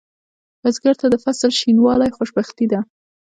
بزګر ته د فصل شینوالی خوشبختي ده